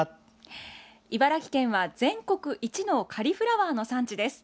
茨城県は、全国一のカリフラワーの産地です。